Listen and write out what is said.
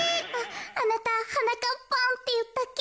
あなたはなかっぱんっていったっけ？